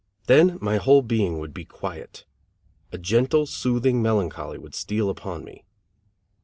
Then my whole being would be quiet. A gentle, soothing melancholy would steal upon me.